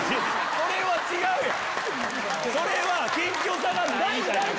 それは違うやん！